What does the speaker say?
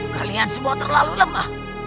kalian semua terlalu lemah